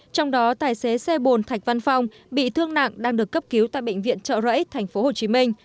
trong đó tài xế xe bồn thạch văn phong bị thương nặng đang được cấp cứu tại bệnh viện trợ rẫy tp hcm